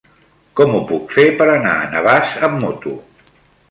Com ho puc fer per anar a Navàs amb moto?